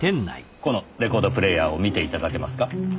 このレコードプレーヤーを見て頂けますか？